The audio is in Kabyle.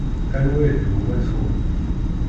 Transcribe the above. Anwa i d gma-twen?